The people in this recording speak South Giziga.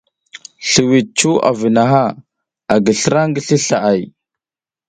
Sliwiɗ cuw avunaƞʼha, a gi slra ngi sli slahay.